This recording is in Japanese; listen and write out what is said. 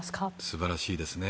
素晴らしいですね。